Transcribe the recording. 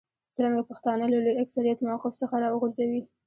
څرنګه پښتانه له لوی اکثریت موقف څخه راوغورځوي.